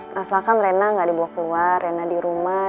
nah selangkan rena gak dibawa keluar rena di rumah